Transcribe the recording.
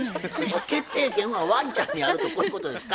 決定権はワンちゃんにあるとこういうことですか？